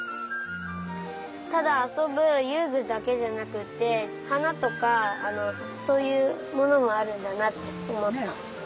ただあそぶゆうぐだけじゃなくってはなとかそういうものもあるんだなっておもった。